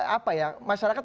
apa ya masyarakat